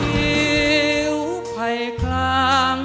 หิวไพ่คล้าง